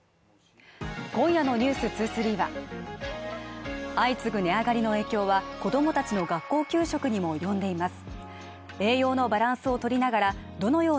今夜の「ｎｅｗｓ２３」は相次ぐ値上がりの影響は子供たちの学校給食にも及んでいます。